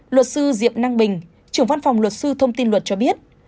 luật sư diệp năng bình trưởng văn phòng luật sư thông tin luật cho biết